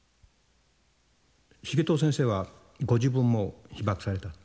重藤先生はご自分も被爆された。